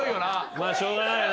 まあしょうがないよな。